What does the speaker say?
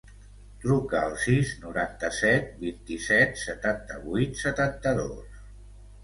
Truca al sis, noranta-set, vint-i-set, setanta-vuit, setanta-dos.